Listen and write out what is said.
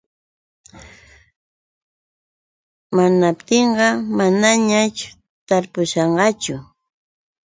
Hinaptinqa manañaćh tarpushqaañachu.